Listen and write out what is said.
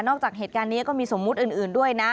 จากเหตุการณ์นี้ก็มีสมมุติอื่นด้วยนะ